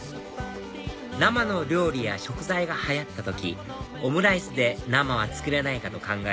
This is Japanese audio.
生の料理や食材が流行った時オムライスで生は作れないかと考え